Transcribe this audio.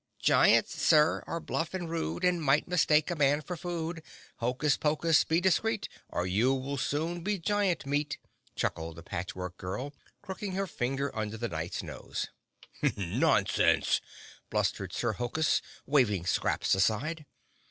"Giants, Sir, are bluff and rude And might mistake a man for food! Hokus Pokus, be discreet, Or you will soon be giant meat!" chuckled the Patch Work Girl, crooking her finger under the Knight's nose. "Nonsense!" blustered Sir Hokus, waving Scraps aside.